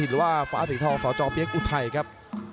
หรือว่าฟ้าสีทองสจเปี๊ยกอุทัยครับ